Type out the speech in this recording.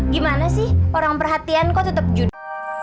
gimana sih orang perhatian kau tetep juda